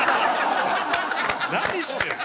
「何してんの？」